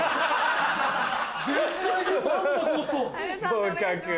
合格。